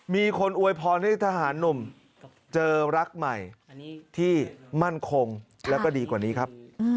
มีคนอวยพรให้ทหารหนุ่มเจอรักใหม่ที่มั่นคงแล้วก็ดีกว่านี้ครับ